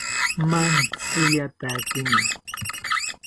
Mantziyatakina